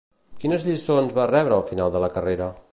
Quines lliçons va rebre al final de la carrera?